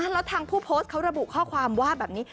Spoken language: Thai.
แล้วทางผู้โพสต์เขาระบุข้อความว่าแบบนี้